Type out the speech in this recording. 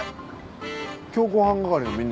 強行犯係のみんなは？